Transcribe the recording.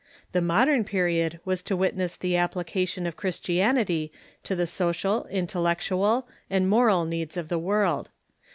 The Modern Period was to witness the application of Christianity to the social, intellectual, and moral needs of the world.